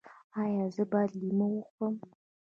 ایا زه باید لیمو وخورم؟